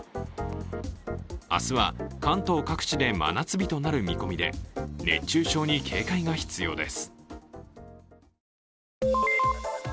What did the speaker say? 明日は関東各地で真夏日となる見込みで、熱中症に警戒が必要です。